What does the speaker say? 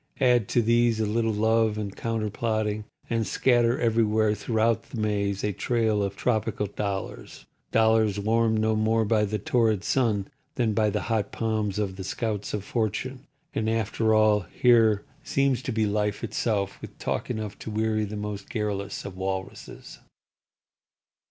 Add to these a little love and counterplotting, and scatter everywhere throughout the maze a trail of tropical dollars—dollars warmed no more by the torrid sun than by the hot palms of the scouts of Fortune—and, after all, here seems to be Life, itself, with talk enough to weary the most garrulous of Walruses.